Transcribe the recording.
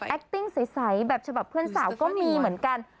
ติ้งใสแบบฉบับเพื่อนสาวก็มีเหมือนกัน